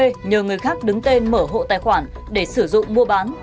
thứ hai nhờ người khác đứng tên mở hộ tài khoản để sử dụng mua bán